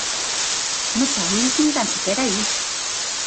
No país, nin tan sequera iso.